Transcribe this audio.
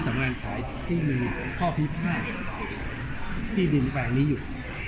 สำงาญภายที่มีข้อพิพิค่าที่ดินแฟนนี้อยู่